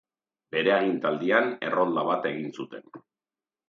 Bere agintaldian errolda bat egin zuten.